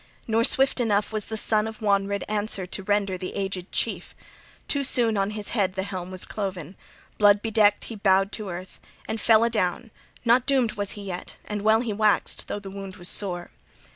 Nor swift enough was the son of Wonred answer to render the aged chief; too soon on his head the helm was cloven; blood bedecked he bowed to earth, and fell adown; not doomed was he yet, and well he waxed, though the wound was sore.